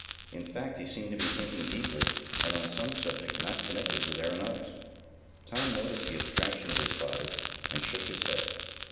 In fact he seemed to be thinking deeply, and on some subject not connected with aeronautics. Tom noticed the abstraction of his father, and shook his head.